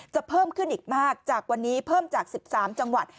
เพิ่มขึ้นอีกมากจากวันนี้เพิ่มจาก๑๓จังหวัด